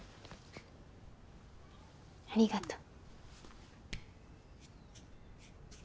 ありがとう。